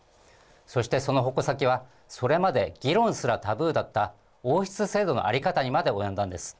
そしてその矛先は、それまで議論すらタブーだった王室制度の在り方にまで及んだんです。